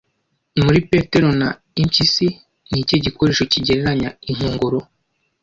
Muri Petero na Impyisi nikihe gikoresho kigereranya inkongoro